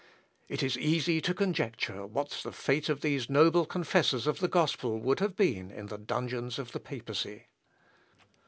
It is easy to conjecture what the fate of these noble confessors of the gospel would have been in the dungeons of the papacy.